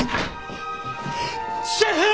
・シェフ！